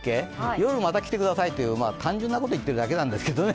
夜はまた着てくださいと単純なこと言ってるだけなんですけどね。